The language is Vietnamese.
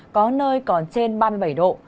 có nơi còn trên ba mươi bảy độ